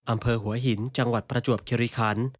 อำเภอหัวหินจังหวัดประจวบคิริคัน